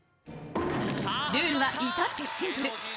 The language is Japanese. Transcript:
ルールは至ってシンプル。